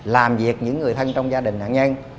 làm việc những người thân trong gia đình nạn nhân